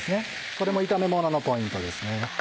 これも炒めもののポイントですね。